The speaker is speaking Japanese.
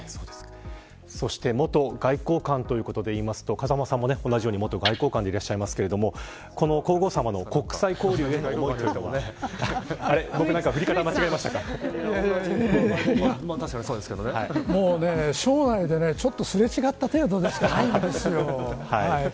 そして元外交官ということでいうと風間さんも同じように元外交官でいらっしゃいますがこの皇后さまの国際交流への思いというのは確かにそうですけどねもう省内でちょっとすれ違った程度しかないんですよ。